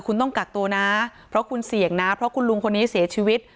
คุณต้องกักตัวนะเพราะคุณเสี่ยงนะเพราะคุณลุงคนนี้เสียชีวิต